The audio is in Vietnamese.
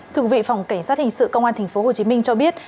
thưa quý vị phòng cảnh sát hình sự công an tp hồ chí minh cho biết